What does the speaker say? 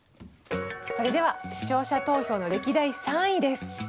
それでは視聴者投票の歴代３位です。